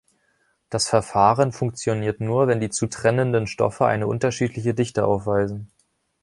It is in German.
Das Verfahren funktioniert nur, wenn die zu trennenden Stoffe eine unterschiedliche Dichte aufweisen.